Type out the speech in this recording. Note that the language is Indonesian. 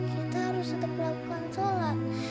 kita harus tetap melakukan sholat